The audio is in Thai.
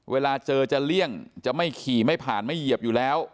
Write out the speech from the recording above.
เวลาเจอจะเลี่ยงจะไม่ขี่ไม่ผ่านไม่เหยียบอยู่แล้ว